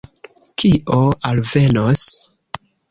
Kio alvenos?